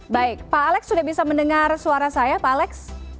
baik pak alex sudah bisa mendengar suara saya pak alex